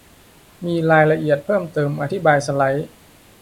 มีรายละเอียดเพิ่มเติมอธิบายสไลด์